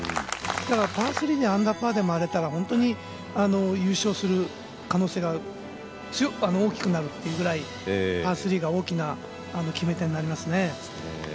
パー３でアンダーパーで回れたら本当に優勝する可能性が大きくなるというぐらいパー３が大きな決め手になりますね。